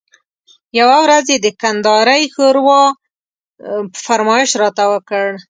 یوه ورځ یې د کندارۍ ښوروا فرمایش راته وکړ.